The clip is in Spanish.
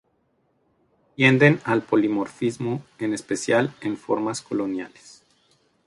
Tienden al polimorfismo, en especial en formas coloniales.